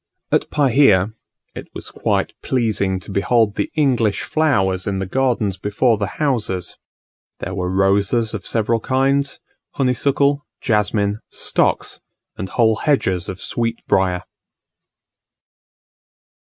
At Pahia, it was quite pleasing to behold the English flowers in the gardens before the houses; there were roses of several kinds, honeysuckle, jasmine, stocks, and whole hedges of sweetbrier.